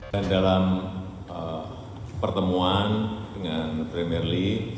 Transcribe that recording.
dan dalam pertemuan dengan premier league